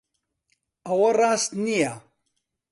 ئەوە ڕاست نییە.